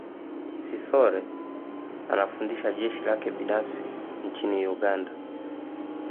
Sithole anafundisha jeshi lake binafsi nchini Uganda